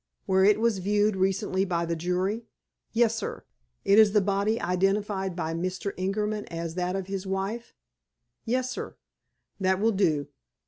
"Where it was viewed recently by the jury?" "Yes, sir." "It is the body identified by Mr. Ingerman as that of his wife?" "Yes, sir." "That will do....